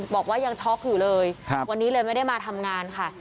บอกว่ายังช็อกอยู่เลยวันนี้เลยไม่ได้มาทำงานค่ะ